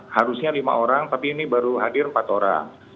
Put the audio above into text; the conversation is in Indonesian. harusnya lima orang tapi ini baru hadir empat orang